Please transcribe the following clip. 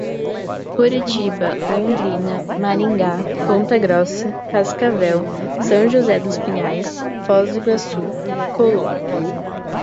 Curitiba, Londrina, Maringá, Ponta Grossa, Cascavel, São José dos Pinhais, Foz do Iguaçu, Colombo